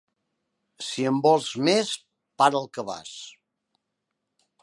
Si en vols més, para el cabàs.